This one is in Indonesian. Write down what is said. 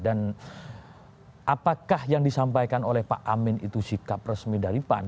dan apakah yang disampaikan oleh pak amin itu sikap resmi dari pan